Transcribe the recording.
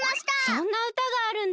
そんな歌があるんだ。